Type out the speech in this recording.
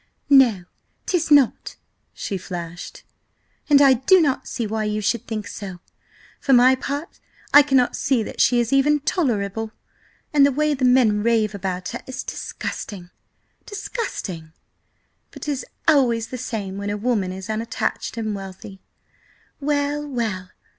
"No, 'tis not!" she flashed. "And I do not see why you should think so! For my part, I cannot see that she is even tolerable, and the way the men rave about her is disgusting! . Disgusting! But 'tis always the same when a woman is unattached and wealthy. Well! Well!